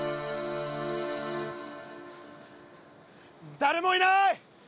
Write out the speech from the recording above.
誰もいない！